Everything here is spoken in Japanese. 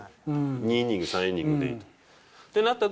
２イニング、３イニングでいいと思う。